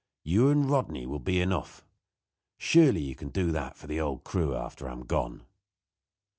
You and Rodney will be enough. Surely, you can do that for the old crew after I am gone."